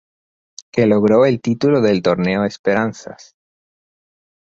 Que logró el título del torneo esperanzas.